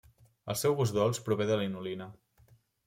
El seu gust dolç prové de la inulina.